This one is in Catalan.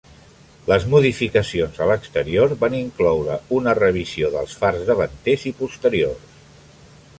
Les modificacions a l'exterior van incloure una revisió dels fars davanters i posteriors.